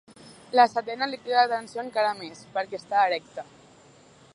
La setena li crida l'atenció encara més, perquè està erecta.